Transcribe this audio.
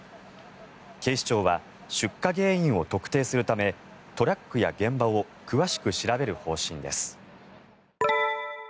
警視庁は出火原因を特定するためトラックや現場を詳しく調べる方針です。